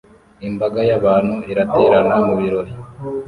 Imbaga y'abantu iraterana mu birori